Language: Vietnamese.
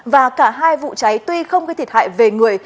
và cả hai vụ cháy tuy không gây thiệt hại về người